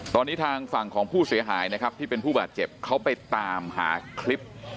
ตอนนี้ทางฝั่งของผู้เสียหายนะครับที่เป็นผู้บาดเจ็บเขาไปตามหาคลิป